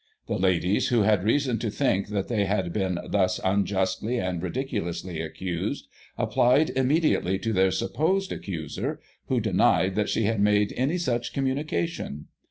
The ladies, who had reason to think that they had been thus unjustly and ridiculously accused, applied immediately to their supposed accuser, who denied that she had made any such communication.